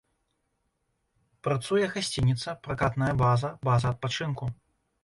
Працуе гасцініца, пракатная база, база адпачынку.